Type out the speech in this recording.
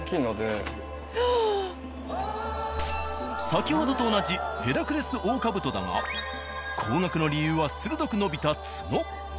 先ほどと同じヘラクレスオオカブトだが高額の理由は鋭く伸びた角。